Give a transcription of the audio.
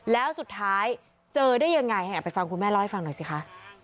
แล้วสุดท้ายเจอได้ยังไงไปฟังคุณแม่เล่าให้ฟังหน่อยสิคะ